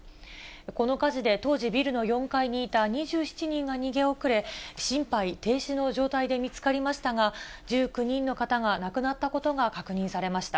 この火事で、当時ビルの４階にいた２７人が逃げ遅れ、心肺停止の状態で見つかりましたが、１９人の方が亡くなったことが確認されました。